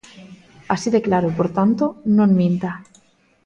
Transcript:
Así de claro, por tanto, non minta.